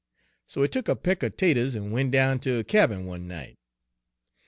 So he tuk a peck er 'taters en went down ter her cabin one night.